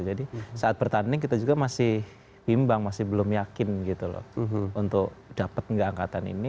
jadi saat bertanding kita juga masih bimbang masih belum yakin gitu loh untuk dapat gak angkatan ini